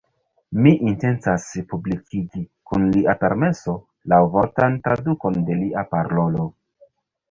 Mi intencas publikigi, kun lia permeso, laŭvortan tradukon de lia parolo.